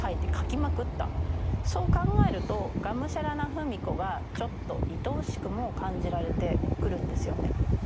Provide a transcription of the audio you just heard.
そう考えるとがむしゃらな芙美子がちょっと愛おしくも感じられてくるんですよね。